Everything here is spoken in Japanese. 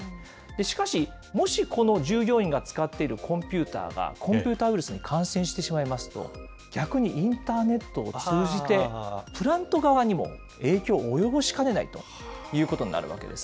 しかし、もし、この従業員が使っているコンピューターがコンピューターウイルスに感染してしまいますと、逆にインターネットを通じて、プラント側にも影響を及ぼしかねないということになるわけです。